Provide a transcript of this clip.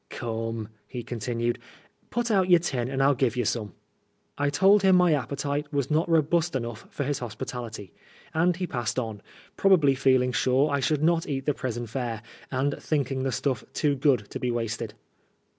" Come," he continued, " put out your tin and FU give you some.'* I told him my appetite was not robust enough for his hospitality, and he passed on, probably feeling sure I should not eat the prison fare, and thinking the stuff too good to be wasted.